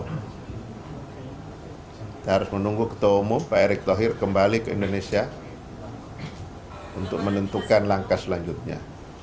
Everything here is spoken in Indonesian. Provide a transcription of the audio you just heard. kita harus menunggu ketua umum pak erick thohir kembali ke indonesia untuk menentukan langkah selanjutnya